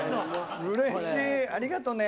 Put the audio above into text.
うれしいありがとね。